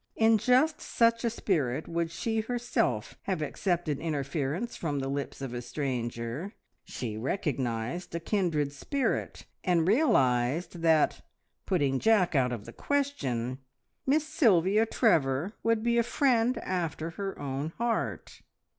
In just such a spirit would she herself have accepted interference from the lips of a stranger. She recognised a kindred spirit, and realised that, putting Jack out of the question, Miss Sylvia Trevor would be a friend after her own heart.